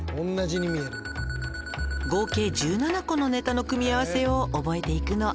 「合計１７個のネタの組み合わせを覚えていくの」